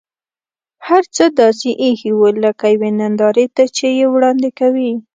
هر څه داسې اېښي و لکه یوې نندارې ته یې چې وړاندې کوي.